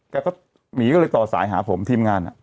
แกก็หมีก็เลยต่อสายหาผมทีมงาน